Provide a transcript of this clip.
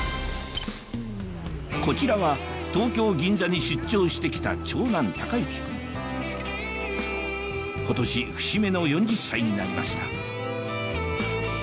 こちらは東京・銀座に出張して来た今年節目の４０歳になりました